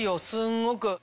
すごく。